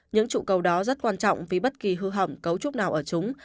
những trụ cầu đó rất quan trọng vì bất kỳ hư hỏng cấu trúc nào ở chúng